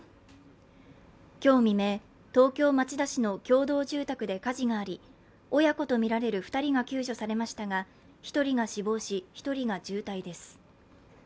今日未明、東京・町田市の共同住宅で火事があり親子とみられる２人が救助されましたが１人が死亡し、１人が重体です。